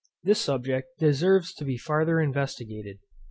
This subject deserves to be farther investigated.